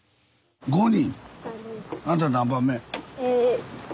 ５人？